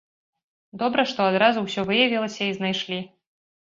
Добра, што адразу ўсё выявілася і знайшлі.